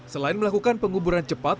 selain melakukan penguburan cepat